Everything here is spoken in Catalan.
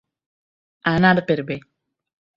Anar per bé.